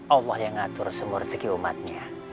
allah yang ngatur semua rezeki umatnya